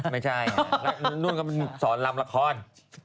ไม่ใช่นุ่นก็มีสอนรำละคร